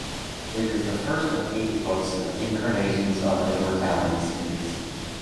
It is the first of eight books in the Incarnations of Immortality series.